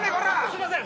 すいません